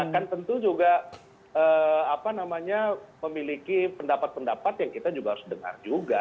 kan tentu juga memiliki pendapat pendapat yang kita juga harus dengar juga